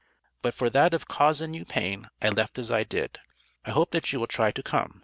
But for that of causin you pain I left as I did, I hope that you will try to come.